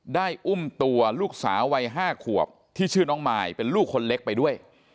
อุ้มตัวลูกสาววัย๕ขวบที่ชื่อน้องมายเป็นลูกคนเล็กไปด้วย